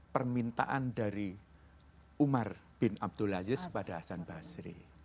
permintaan dari umar bin abdulaziz pada hasan basri